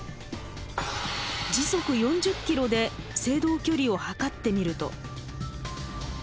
時速４０ｋｍで制動距離を測ってみると。